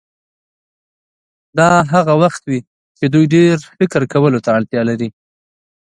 دا هغه وخت وي چې دوی ډېر فکر کولو ته اړتیا لري.